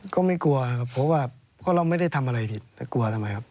ก็ไม่กลัวครับเพราะว่าเพราะเราไม่ได้ทำอะไรผิดแต่กลัวทำไมครับ